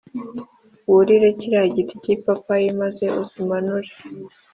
wurire kiriya giti k’ipapayi maze uzi manure